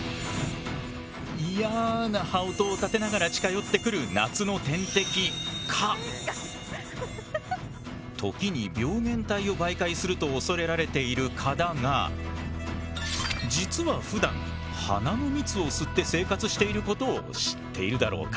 嫌な羽音を立てながら近寄ってくる夏の天敵時に病原体を媒介すると恐れられている蚊だが実は普段花の蜜を吸って生活していることを知っているだろうか。